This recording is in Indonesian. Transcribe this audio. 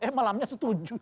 eh malamnya setuju